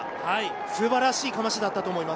素晴らしいかましだったと思います。